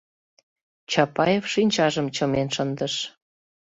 — Чапаев шинчажым чымен шындыш.